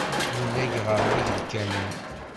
Yunag ɣer nnig lkanun.